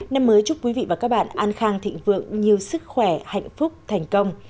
năm mới chúc quý vị và các bạn an khang thịnh vượng nhiều sức khỏe hạnh phúc thành công